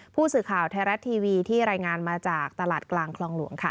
ผู้สื่อข่าวไทยรัฐทีวีที่รายงานมาจากตลาดกลางคลองหลวงค่ะ